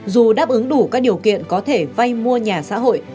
dù đáp ứng đủ các điều kiện có thể vay mua nhà xã hội